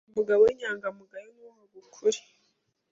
Umugabo w'inyangamugayo nuvuga ukuri